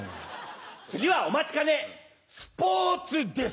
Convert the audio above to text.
次はお待ちかねスポーツです！